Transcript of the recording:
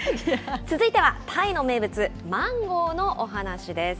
続いてはタイの名物、マンゴーのお話です。